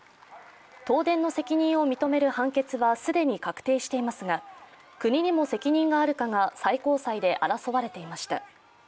東電の責任を認める判決は既に確定していますが国にも責任があるかが最高裁で争われていました。